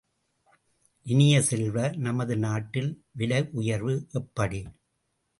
இனிய செல்வ, நமது நாட்டில் விலை உயர்வு எப்படி?